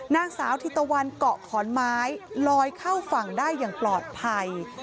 นางสาวธิตะวันเกาะขอนไม้ลอยเข้าฝั่งได้อย่างปลอดภัย